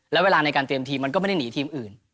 แล้วเวลาในการเตรียมทีมมันก็ไม่ได้หนีทีมอื่น